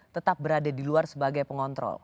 tetap berada di luar sebagai pengontrol